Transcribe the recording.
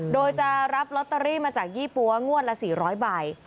โดยจะรับลอตเตอรี่มาจากยี่ปั๊วงวดละ๔๐๐ใบ